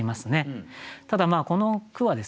ただこの句はですね